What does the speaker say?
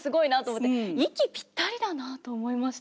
息ぴったりだなと思いました。